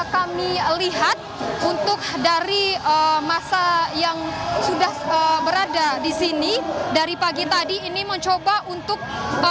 kami lihat untuk dari masa yang sudah berada di sini dari pagi tadi ini mencoba untuk